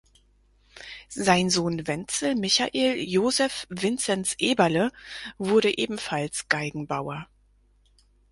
Sein Sohn Wenzel Michael Joseph Vincenz Eberle wurde ebenfalls Geigenbauer.